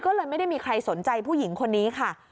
ก็เลยไม่ได้มีใครสนใจผู้หญิงคนนี้ค่ะ